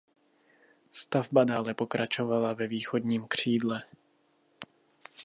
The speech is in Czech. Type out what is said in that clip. Stavba dále pokračovala ve východním křídle.